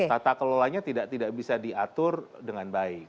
tata kelolanya tidak bisa diatur dengan baik